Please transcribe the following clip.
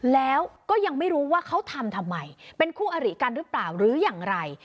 แล้วก็ยังไม่รู้ว่าเขาทำทำไมเป็นคู่อริกันหรือเปล่าหรืออย่างไร